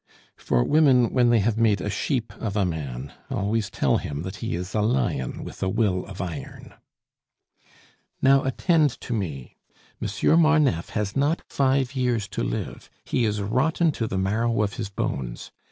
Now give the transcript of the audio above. For women, when they have made a sheep of a man, always tell him that he is a lion with a will of iron. "Now, attend to me. Monsieur Marneffe has not five years to live; he is rotten to the marrow of his bones.